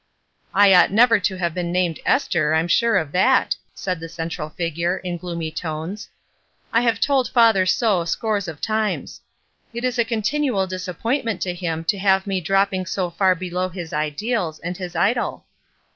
"I ought nevier to have been named 'Ester,' I'm sure of that," said the central figure, in gloomy tones. "I have told father so scores of times. It is a continual disappointment to him to have me dropping so far below his ideals, and his idol."